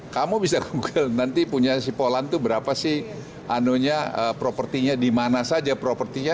kamu bisa google nanti punya si polan itu berapa sih anonya propertinya dimana saja propertinya